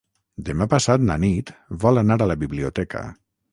Demà passat na Nit vol anar a la biblioteca.